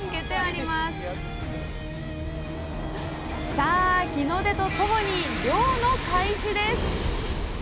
さあ日の出とともに漁の開始です！